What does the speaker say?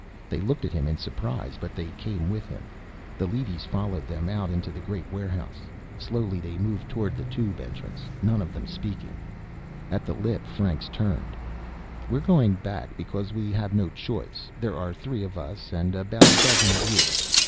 They looked at him in surprise, but they came with him. The leadys followed them out into the great warehouse. Slowly they moved toward the Tube entrance, none of them speaking. At the lip, Franks turned. "We are going back because we have no choice. There are three of us and about a dozen of you.